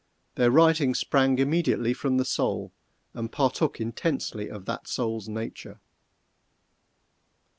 Their writings sprang immediately from the soul and partook intensely of that soul's nature.